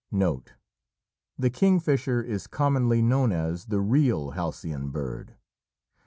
Note. The kingfisher is commonly known as the real "Halcyon" bird.